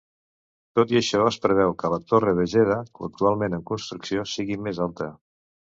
Tot i això, es preveu que la torre de Jeddah, actualment en construcció, sigui més alta.